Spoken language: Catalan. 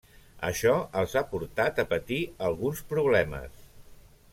Això els ha portat a patir alguns problemes.